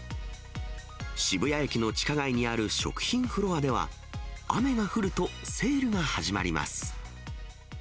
渋谷駅の地下街にある食品フロアでは、雨が降るとセールが始まります。